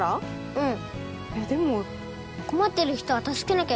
うん。